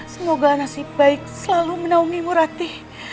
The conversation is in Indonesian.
semoga nasib baik selalu menaungi murati